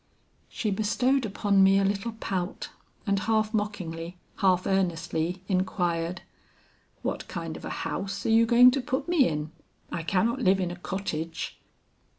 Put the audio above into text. "She bestowed upon me a little pout, and half mockingly, half earnestly inquired, 'What kind of a house are you going to put me in? I cannot live in a cottage.'